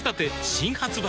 新発売